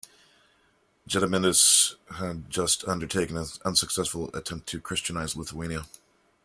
Gediminas had just undertaken an unsuccessful attempt to Christianize Lithuania.